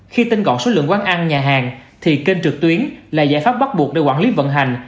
khi tên gọi số lượng quán ăn nhà hàng thì kênh trực tuyến là giải pháp bắt buộc để quản lý vận hành